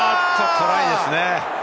トライですね。